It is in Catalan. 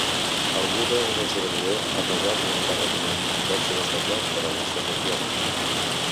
Augure un esdevenidor, a pesar de l’endarreriment, força destacat per al nostre folklore.